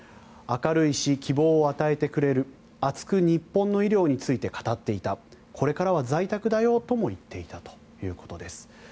明るいし希望を与えてくれる熱く日本の医療について語っていたこれからは在宅だよとも言っていたということです。